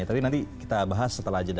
tapi nanti kita bahas setelah jeda